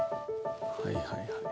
はいはいはいはい。